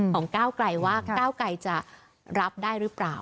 ก้าวไกลว่าก้าวไกลจะรับได้หรือเปล่า